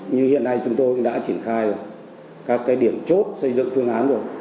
như hiện nay chúng tôi đã triển khai các cái điểm chốt xây dựng phương án rồi